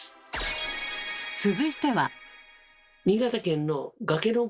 続いては。